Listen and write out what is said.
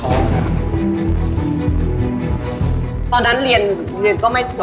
ตอนนั้นเรียนเรียนก็ไม่จบ